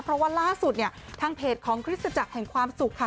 เพราะว่าล่าสุดเนี่ยทางเพจของคริสตจักรแห่งความสุขค่ะ